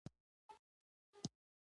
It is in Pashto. کله چې کومه جلۍ درسره مینه نه کول غواړي.